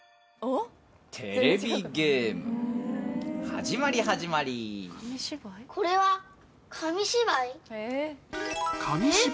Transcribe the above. テレビゲーム、始まり、これは、紙芝居？